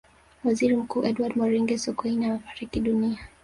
waziri mkuu edward moringe sokoine amefariki dunia